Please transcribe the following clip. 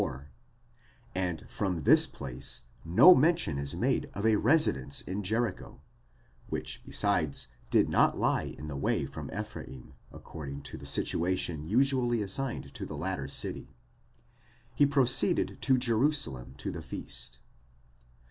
54); and from this place, no mention being made of a residence in Jericho (which, besides, did not lie in the way from Ephraim, according to the situation usually assigned to the latter city), he proceeded to Jerusalem to the feast.